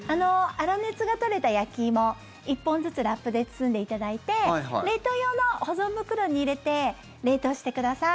粗熱が取れた焼き芋、１本ずつラップで包んでいただいて冷凍用の保存袋に入れて冷凍してください。